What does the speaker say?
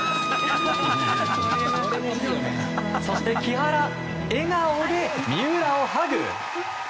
木原、笑顔で三浦をハグ！